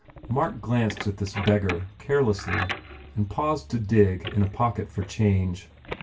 Mark glanced at this beggar carelessly and paused to dig in a pocket for change.